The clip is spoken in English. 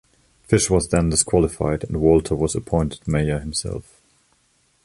Fish was then disqualified and Walter was appointed mayor himself.